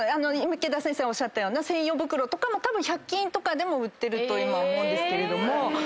池田先生がおっしゃったような専用袋とかもたぶん百均でも売ってると思うんですけれども。